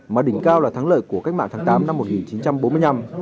mà đỉnh cao là thắng lợi của cách mạng tháng tám năm một nghìn chín trăm bốn mươi năm